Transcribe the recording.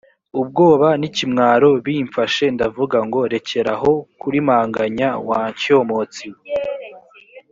ubwoba n ikimwaro bimfashe ndavuga ngo rekeraho kurimanganya wa nshyomotsi we